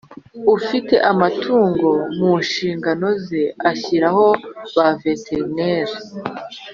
ufita amatungo mu nshingano ze ashyiraho ba veteriner